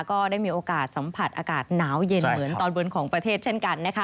ก็ได้มีโอกาสสัมผัสอากาศหนาวเย็นเหมือนตอนบนของประเทศเช่นกันนะคะ